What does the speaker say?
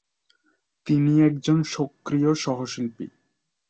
তিনি একজন সক্রিয় সহশিল্পী।